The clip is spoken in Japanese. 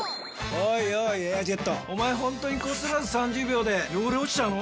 おいおい「エアジェット」おまえホントにこすらず３０秒で汚れ落ちちゃうの？